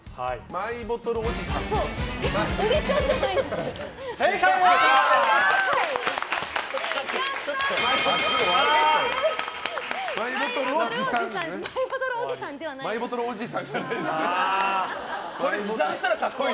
マイボトルおじさんではないですね。